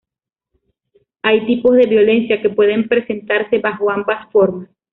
Hay tipos de violencia que pueden presentarse bajo ambas formas.